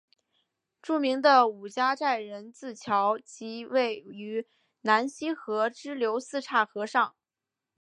著名的五家寨人字桥即位于南溪河支流四岔河上。